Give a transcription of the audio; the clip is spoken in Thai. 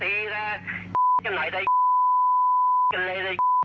หลงท้องแล้ว